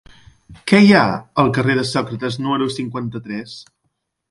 Què hi ha al carrer de Sòcrates número cinquanta-tres?